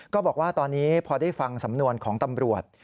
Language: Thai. ก็บอกว่าตอนนี้พอได้ฟังสำนวนของตำรวจ